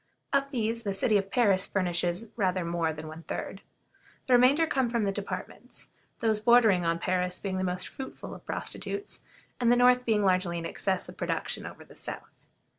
Of these the city of Paris furnishes rather more than one third. The remainder come from the departments; those bordering on Paris being the most fruitful of prostitutes, and the north being largely in excess of production over the south.